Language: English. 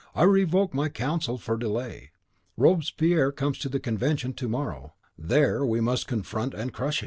I revoke my counsel for delay. Robespierre comes to the Convention to morrow; THERE we must confront and crush him.